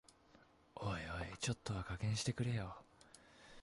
おいおい、ちょっとは加減してくれよ